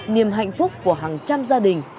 niềm hạnh phúc của hàng trăm gia đình